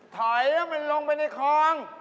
ถอยแล้วมันลงไปในคลอง